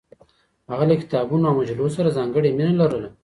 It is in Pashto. هغه له کتابونو او مجلو سره ځانګړې مینه لرله.